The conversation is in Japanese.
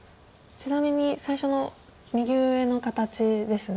ちなみに最初の右上の形ですね。